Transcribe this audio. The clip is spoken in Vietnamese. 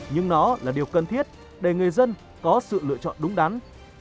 nhưng nó là điều cần thiết để người dân có sự lựa chọn đúng đắn